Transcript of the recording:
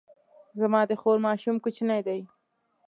زما د خور ماشوم کوچنی دی